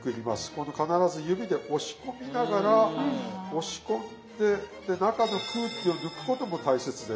この必ず指で押し込みながら押し込んでで中の空気を抜くことも大切です。